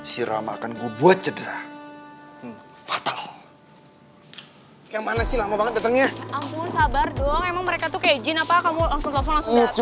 sekarang waktunya isi tanki dulu